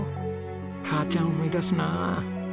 母ちゃん思い出すなあ。